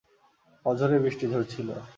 অঝোরে বৃষ্টি ঝরছিল।